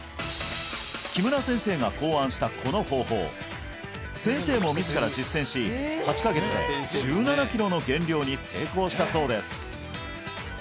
木村先生が考案したこの方法先生も自ら実践し８カ月で１７キロの減量に成功したそうです